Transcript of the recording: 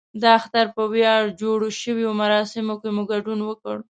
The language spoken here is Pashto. د اختر په ویاړ جوړو شویو مراسمو کې مو ګډون وکړ.